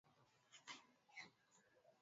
Alipanga vita kinyume na mtu wa Mungu, Daudi.